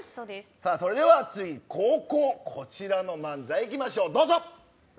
それでは次後攻、こちらの漫才行きましょう、どうぞ。